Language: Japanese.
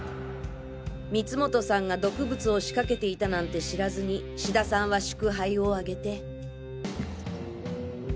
光本さんが毒物を仕掛けていたなんて知らずに志田さんは祝杯をあげて。